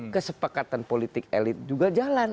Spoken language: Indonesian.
kesepakatan politik elit juga jalan